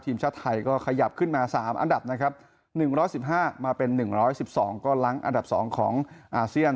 ทีมชาติไทยก็ขยับขึ้นมา๓อันดับนะครับ๑๑๕มาเป็น๑๑๒ก็ล้างอันดับ๒ของอาเซียน